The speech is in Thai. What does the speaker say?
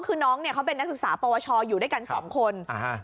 คือน้องเนี่ยเขาเป็นนักศึกษาปวชอยู่ด้วยกันสองคน